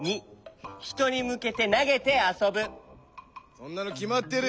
そんなのきまってる。